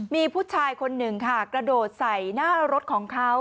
มีผู้ชายคนหนึ่งค่ะกระโดดใส่หน้ารถของเขา